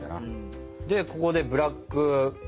でここでブラック。